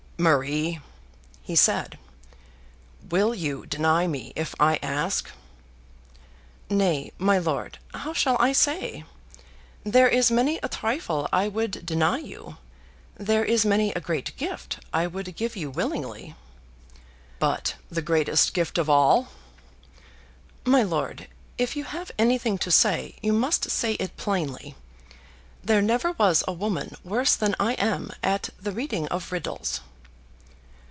"Marie," he said, "will you deny me if I ask?" "Nay, my lord; how shall I say? There is many a trifle I would deny you. There is many a great gift I would give you willingly." "But the greatest gift of all?" "My lord, if you have anything to say, you must say it plainly. There never was a woman worse than I am at the reading of riddles."